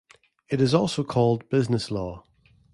It is also called business law.